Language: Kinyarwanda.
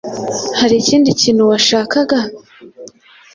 Hari ikindi kintu washakaga?